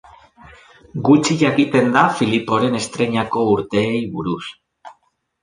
Gutxi jakiten da Filiporen estreinako urteei buruz.